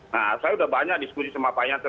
nah saya sudah banyak diskusi sama pak yanto